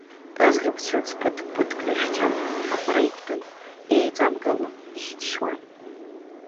Аӡӷабцәа аӡы ԥыҭк-ԥыҭк рыжәхьан, аҟәара иқәтәан, еиҵамгыло, ихьҭшьуа.